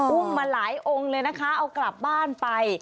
มาหลายองค์เลยนะคะเอากลับบ้านไป